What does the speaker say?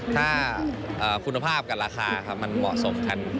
ถ้าคุณภาพกับราคามันเหมาะสมกัน